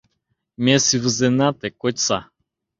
Ме сӱвызена, те кочса;